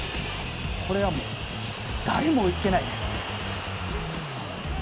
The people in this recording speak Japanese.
これは誰も追いつけないです。